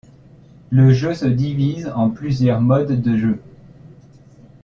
Le jeu se divise en plusieurs modes de jeux.